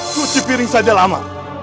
cuci piring saya dia lama